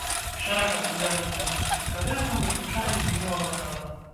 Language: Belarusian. Шэраг папулярных брытанскіх кавярняў выключае з меню авакада.